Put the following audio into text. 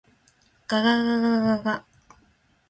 がががががが